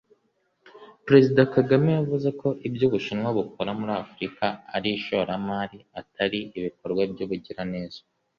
Perezida Kagame yavuze ko ibyo u Bushinwa bukora muri Afurika ari ishoramari atari ibikorwa by’ubugiraneza